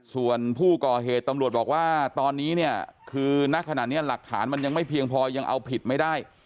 ส่วนผู้ก่อเหตุตำรวจบอกว่าตอนนี้เนี่ยคือนักขณะนี้หลักฐานมันยังไม่เพียงพอยังเอาผิดไม่ได้